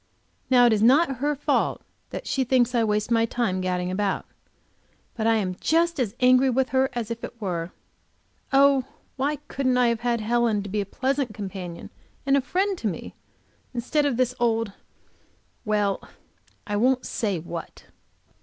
Now it is not her fault that she thinks I waste my time gadding about, but I am just as angry with her as if she did. Oh, why couldn't I have had Helen, to be a pleasant companion and friend to me, instead of this old well I won't say what.